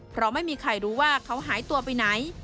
เพราะไม่มีใครรู้ว่าเขาหายตัวไปไหน